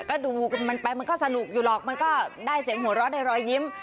ก็ดูมันไปมันก็สนุกอยู่หรอกมันก็ได้เสียงหัวเราะในรอยยิ้ม